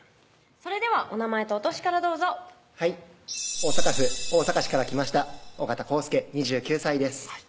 それではお名前とお歳からどうぞはい大阪府大阪市から来ました緒方康祐２９歳です